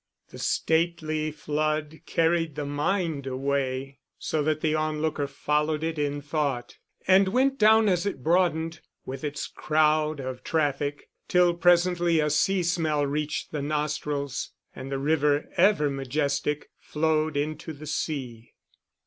The stately flood carried the mind away, so that the onlooker followed it in thought, and went down, as it broadened, with its crowd of traffic, till presently a sea smell reached the nostrils, and the river, ever majestic, flowed into the sea.